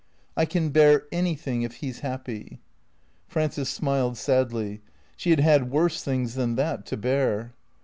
" I can bear anything if he 's happy." Frances smiled sadly. She had had worse things than that to bear.